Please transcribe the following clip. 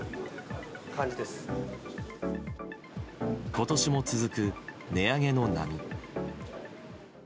今年も続く値上げの波。